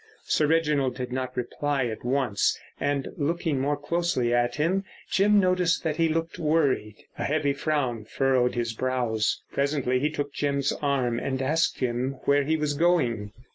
Sir Reginald did not reply at once, and looking more closely at him, Jim noticed that he looked worried. A heavy frown furrowed his brows. Presently he took Jim's arm and asked him where he was going.